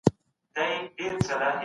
ما مخکې کار کړی و.